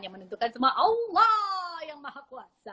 yang menentukan semua allah yang maha kuasa